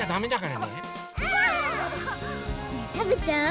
ねえたべちゃう？